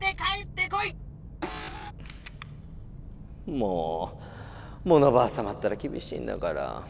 もうモノバアさまったらきびしいんだから。